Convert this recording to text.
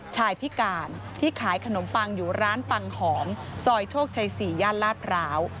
พิการที่ขายขนมปังอยู่ร้านปังหอมซอยโชคชัย๔ย่านลาดพร้าว